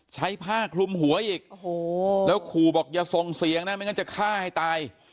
ใช้ผ้าคลุมหัวอีกโอ้โหแล้วขู่บอกอย่าส่งเสียงนะไม่งั้นจะฆ่าให้ตาย